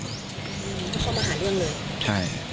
เข้ามาหาเรื่องเลยใช่